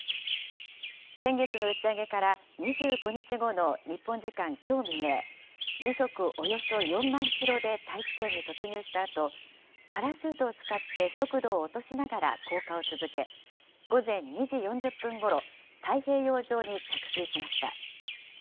先月の打ち上げから２５日後の日本時間きょう未明、時速およそ４万キロで大気圏に突入したあと、パラシュートを使って、速度を落としながら降下を続け、午前２時４０分ごろ、太平洋上に着水しました。